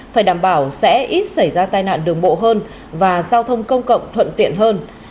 phải đảm bảo sẽ ít xảy ra tai nạn đường bộ hơn và giao thông công cộng thuận tiện hơn